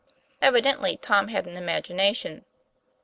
Evidently Tom had an imagination.